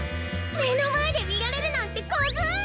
めのまえでみられるなんてコズい！